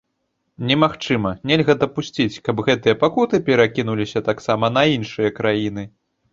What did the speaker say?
Немагчыма, нельга дапусціць, каб гэтыя пакуты перакінуліся таксама на іншыя краіны.